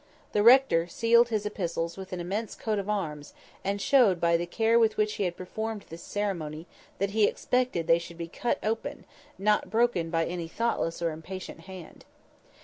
The rector sealed his epistles with an immense coat of arms, and showed by the care with which he had performed this ceremony that he expected they should be cut open, not broken by any thoughtless or impatient hand.